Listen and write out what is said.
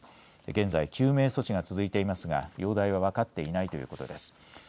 現在、救命措置が続いていますが容体は分かっていないということです。